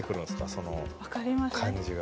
その感じが。